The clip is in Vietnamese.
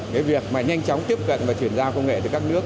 cái việc mà nhanh chóng tiếp cận và chuyển giao công nghệ từ các nước